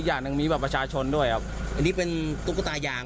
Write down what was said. อีกอย่างนึงมีแบบประชาชนด้วยครับอันนี้เป็นตุ๊กตาหย่าง